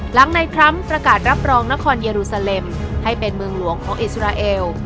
หลังในทรัมป์ประกาศรับรองนครเยอรูซาเลมให้เป็นเมืองหลวงของอิสราเอล